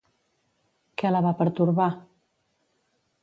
Què la va pertorbar?